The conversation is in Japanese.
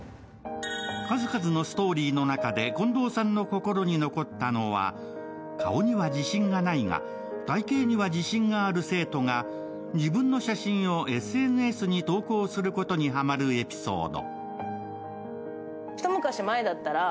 数々のストーリーの中で近藤さんの心に残ったのは顔には自信がないが、体型には自信がある生徒が自分の写真をＳＮＳに投稿することにハマるエピソード。